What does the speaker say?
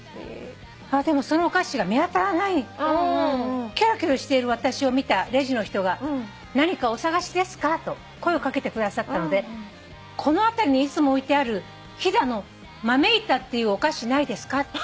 「でもそのお菓子が見当たらない」「キョロキョロしている私を見たレジの人が『何かお探しですか？』と声を掛けてくださったのでこの辺りにいつも置いてある飛騨の豆板っていうお菓子ないですか？」